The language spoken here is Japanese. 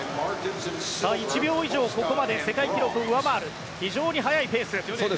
１秒以上ここまで世界記録を上回る非常に速いペース。